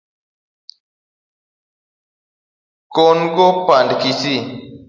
Kon ko pand kisii